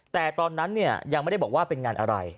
แต่ตอนนั้นเนี่ยยังไม่ได้บอกว่าเป็นงานอะไร